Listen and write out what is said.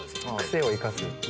癖を生かす。